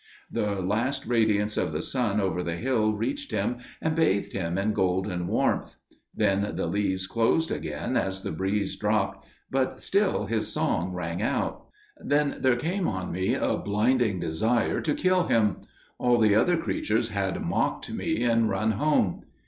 The last radiance of the sun over the hill reached him and bathed him in golden warmth. Then the leaves closed again as the breeze dropped, but still his song rang out. "Then there came on me a blinding desire to kill him. All the other creatures had mocked me and run home.